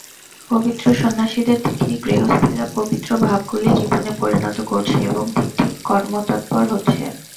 পবিত্র সন্ন্যাসীদের দেখেই গৃহস্থেরা পবিত্র ভাবগুলি জীবনে পরিণত করছে এবং ঠিক ঠিক কর্মতৎপর হচ্ছে।